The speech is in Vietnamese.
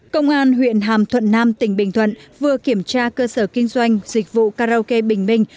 công an huyện hàm thuận nam tỉnh bình thuận vừa kiểm tra cơ sở kinh doanh dịch vụ karaoke bình minh